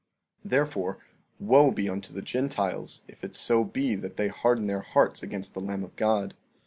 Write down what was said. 14:6 Therefore, wo be unto the Gentiles if it so be that they harden their hearts against the Lamb of God.